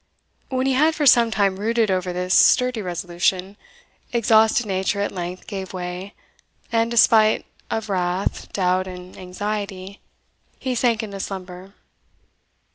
When he had for some time brooded over this sturdy resolution, exhausted nature at length gave way, and, despite of wrath, doubt, and anxiety, he sank into slumber.